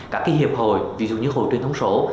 các hiệp hội ví dụ như hội truyền thông số